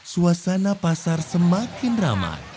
suasana pasar semakin ramai